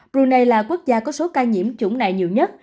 brunei là quốc gia có số ca nhiễm chủng này nhiều nhất